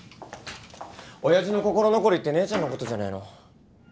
親父の心残りって姉ちゃんのことじゃねえの？